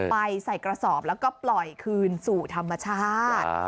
ไปใส่กระสอบแล้วก็ปล่อยคืนสู่ธรรมชาติ